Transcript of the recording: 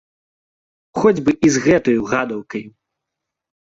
Хоць бы і з гэтаю гадаўкаю!